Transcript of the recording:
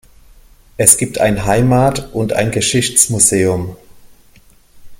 Es gibt ein Heimat- und ein Geschichtsmuseum.